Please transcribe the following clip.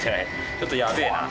ちょっとやべえな。